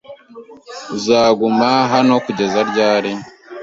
Uzaguma hano kugeza ryari?